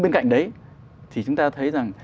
bên cạnh đấy thì chúng ta thấy rằng